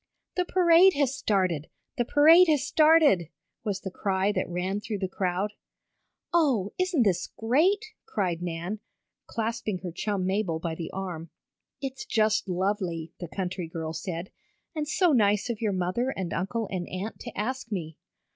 "The parade has started! The parade has started!" was the cry that ran through the crowd. "Oh, isn't this great!" cried Nan, clasping her chum Mabel by the arm. "It's just lovely!" the country girl said, "and so nice of your mother and uncle and aunt to ask me."